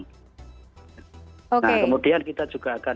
nah kemudian kita juga akan